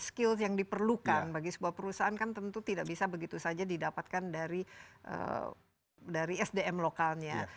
skill yang diperlukan bagi sebuah perusahaan kan tentu tidak bisa begitu saja didapatkan dari sdm lokalnya